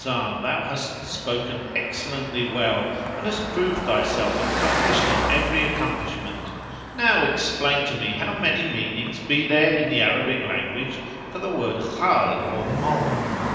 [FN#487] thou hast spoken excellently well and hast proved thyself accomplished in every accomplishment! Now explain to me how many meanings be there in the Arabic language [FN#488] for the word Khal or mole."